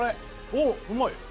おおっうまい！